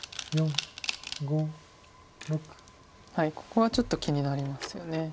ここはちょっと気になりますよね。